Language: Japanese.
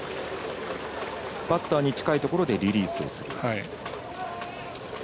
バッターに近いところでリリースをする。